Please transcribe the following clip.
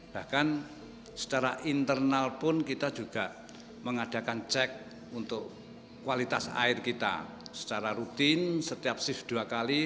bahkan secara internal pun kita juga mengadakan cek untuk kualitas air kita secara rutin setiap shift dua kali